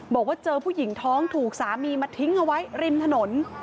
บอกว่าเจอผู้หญิงท้องถูกสามีมาทิ้งเอาไว้ริมถนน